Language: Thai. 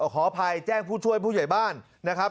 ขออภัยแจ้งผู้ช่วยผู้ใหญ่บ้านนะครับ